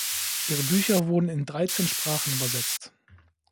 Ihre Bücher wurden in dreizehn Sprachen übersetzt.